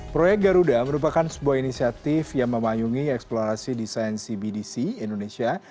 proyek garuda merupakan sebuah inisiatif yang memayungi eksplorasi desain cbdc indonesia